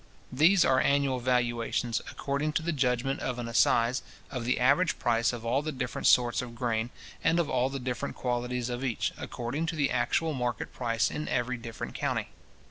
These are annual valuations, according to the judgment of an assize, of the average price of all the different sorts of grain, and of all the different qualities of each, according to the actual market price in every different county.